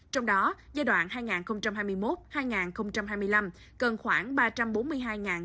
trong đó giai đoạn hai nghìn hai mươi một hai nghìn hai mươi năm cần khoảng ba trăm bốn mươi